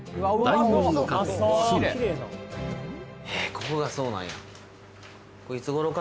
ここがそうなんや？